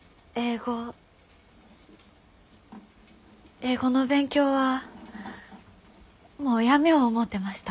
英語の勉強はもうやめよう思うてました。